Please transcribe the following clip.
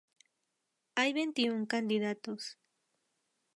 Hay veintiún candidatos.